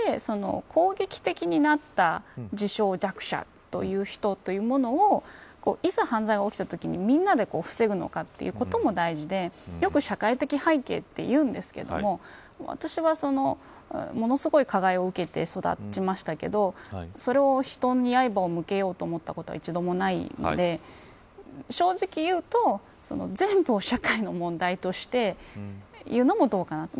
だから、そういったことも含めてどうやって、攻撃的になった自称、弱者という人というものをいざ犯罪が起きたときにみんなで防ぐのかということも大事でよく社会的背景というんですが私は、ものすごい加害を受けて育ちましたけどそれを人に刃を向けようと思ったことは一度もないので正直言うと全部を社会の問題として言うのもどうかなと。